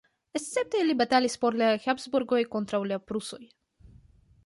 Escepte li batalis por la Habsburgoj kontraŭ la prusoj.